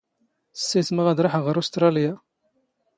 ⵙⵙⵉⵜⵉⵎⵖ ⴰⴷ ⵕⴰⵃⵖ ⵖⵔ ⵓⵙⵜⵕⴰⵍⵢⴰ.